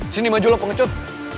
sini maju lu pengecut